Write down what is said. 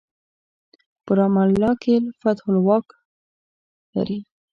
په رام الله کې الفتح واک لري.